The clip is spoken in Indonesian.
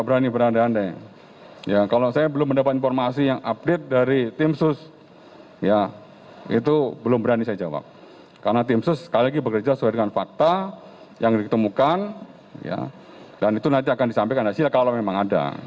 karena tim sus sekali lagi bekerja sesuai dengan fakta yang ditemukan dan itu nanti akan disampaikan hasil kalau memang ada